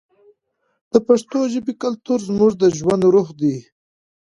د پښتو ژبې کلتور زموږ د ژوند روح دی.